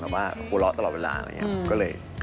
หลังจากนั้นสถานต่ออย่างไรบ้างพี่แตม